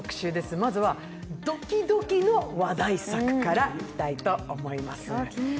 まずは、ドキドキの話題作からいきたいと思います。